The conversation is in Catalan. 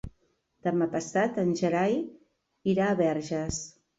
Demà passat en Gerai irà a Verges.